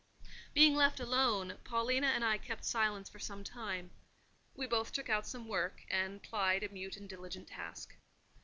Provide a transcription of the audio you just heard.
Being left alone, Paulina and I kept silence for some time: we both took out some work, and plied a mute and diligent task.